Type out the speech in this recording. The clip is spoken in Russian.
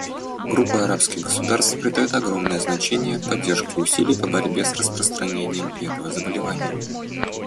Группа арабских государств придает огромное значение поддержке усилий по борьбе с распространением этого заболевания.